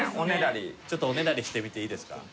ちょっとおねだりしてみていいですか？